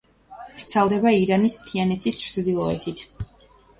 ვრცელდება ირანის მთიანეთის ჩრდილოეთით.